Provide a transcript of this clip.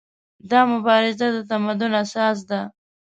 دا مبارزه د تمدن اساس ده.